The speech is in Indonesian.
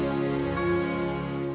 seperti itu jam satu